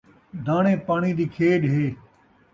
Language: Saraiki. داݨے پاݨی دی کھیݙ ہے